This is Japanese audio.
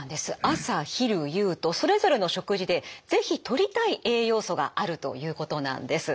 朝昼夕とそれぞれの食事で是非とりたい栄養素があるということなんです。